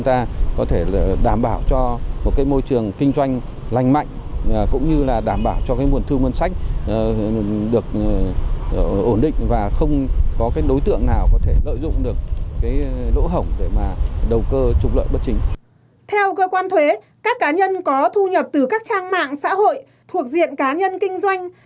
theo cơ quan thuế các cá nhân có thu nhập từ các trang mạng xã hội thuộc diện cá nhân kinh doanh